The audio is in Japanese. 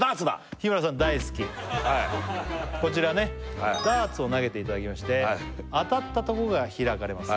日村さん大好きこちらねダーツを投げていただきまして当たったとこが開かれます